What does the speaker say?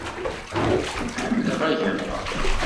Ḥemmleɣ agama.